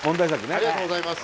ありがとうございます。